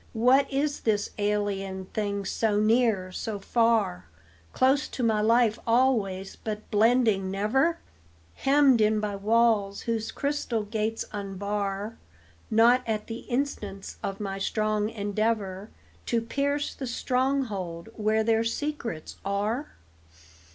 What is this alien thing, so near, so far, Close to my life always, but blending never? Hemmed in by walls whose crystal gates unbar Not at the instance of my strong endeavor To pierce the stronghold where their secrets are?